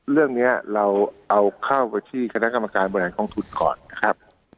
เรื่องนี้เราเอาเข้าไปที่คณะกรรมการบริหารกองทุนก่อนนะครับ